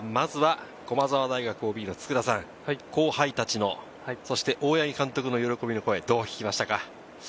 駒澤大学ＯＢの佃さん、後輩たちの、大八木監督の喜びの声をどう聞きましたか？